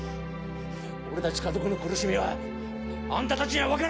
俺たち家族の苦しみはあんたたちには分からない！